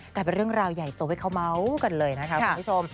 กลายเป็นเรื่องราวใหญ่โตให้เขาเมาส์กันเลยนะคะคุณผู้ชม